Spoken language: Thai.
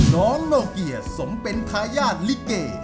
โนเกียสมเป็นทายาทลิเก